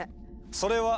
それは。